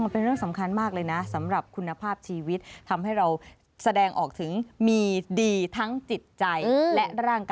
เป็นเรื่องสำคัญมากเลยนะสำหรับคุณภาพชีวิตทำให้เราแสดงออกถึงมีดีทั้งจิตใจและร่างกาย